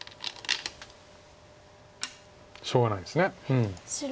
しょうがないんです。